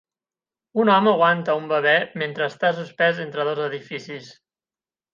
Un home aguanta un bebè mentre està suspès entre dos edificis.